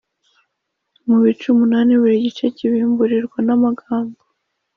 mu bice umunani Buri gice kibimburirwa n amagambo